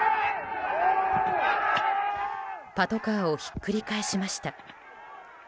パトカーをひっくり返しました。